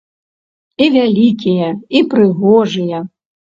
І вялікія, і прыгожыя.